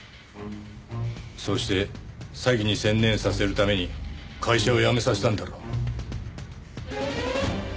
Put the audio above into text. そして詐欺に専念させるために会社を辞めさせたんだろう？